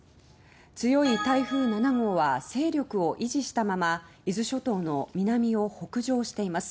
強い台風７号は勢力を維持したまま伊豆諸島の南を北上しています。